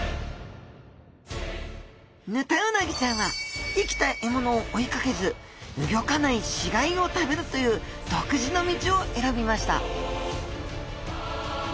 ヌタウナギちゃんは生きた獲物をおいかけずうギョかない死がいを食べるという独自の道をえらびました